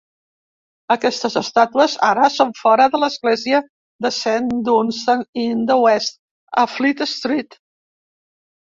Aquestes estàtues ara són fora de l'església de Saint Dunstan-in-the-West, a Fleet Street.